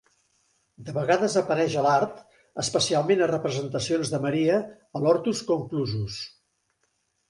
De vegades apareix a l'art, especialment a representacions de Maria a l'hortus conclusus.